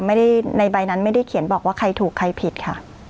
ในใบนั้นไม่ได้เขียนบอกว่าใครถูกใครผิดค่ะ